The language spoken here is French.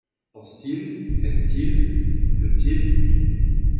Pense-t-il? aime-t-il ? veut-il ?